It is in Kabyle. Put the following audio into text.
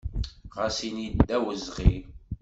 Ɣas ini d awezɣi.